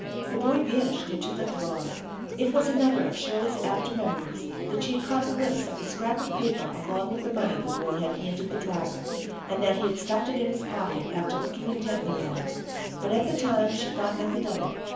The boy vanished into the throng. It was another of Shirley's after memories that she had caught a glimpse of a scrap of paper along with the money the boy had handed the driver, and that he had stuffed it in his pocket after looking intently at it; but at the time she thought nothing of it.